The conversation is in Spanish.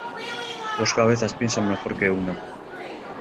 Dos cabezas piensan mejor que una.